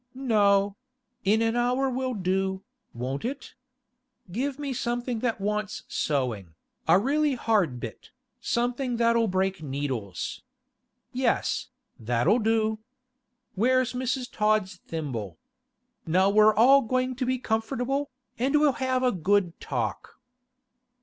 'No; in an hour will do, won't it? Give me something that wants sewing, a really hard bit, something that'll break needles. Yes, that'll do. Where's Mrs. Todd's thimble? Now we're all going to be comfortable, and we'll have a good talk.